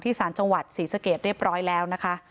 สารจังหวัดศรีสะเกดเรียบร้อยแล้วนะคะ